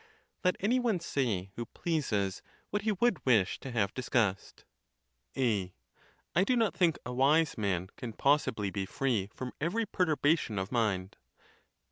Let any one say, who pleases, what he would wish to have discussed. A. I do not think a wise man can possibly be free from every perturbation of mind.